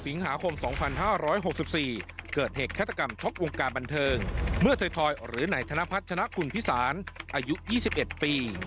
สิงหาคม๒๕๖๔เกิดเหตุฆาตกรรมช็อกวงการบันเทิงเมื่อถอยหรือนายธนพัฒนชนะคุณพิสารอายุ๒๑ปี